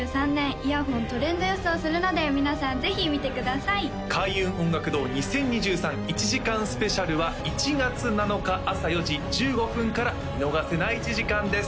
イヤホントレンド予想するので皆さんぜひ見てください開運音楽堂２０２３１時間ＳＰ！！は１月７日朝４時１５分から見逃せない１時間です